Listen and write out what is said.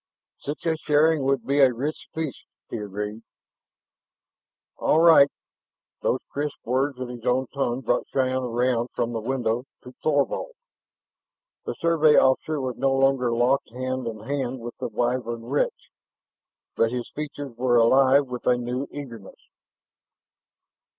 "Such a sharing would be a rich feast," he agreed. "All right!" Those crisp words in his own tongue brought Shann away from the window to Thorvald. The Survey officer was no longer locked hand to hand with the Wyvern witch, but his features were alive with a new eagerness.